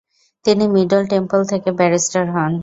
তিনি Middle Temple থেকে barrister হন।